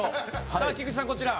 さあキクチさんこちら。